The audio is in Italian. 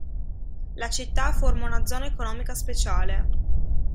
La città forma una Zona Economica Speciale.